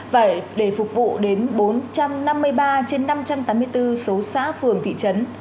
vậy để phục vụ đến bốn trăm năm mươi ba trên năm trăm tám mươi bốn số xã phường thị trấn